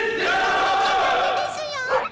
吠えちゃ駄目ですよ！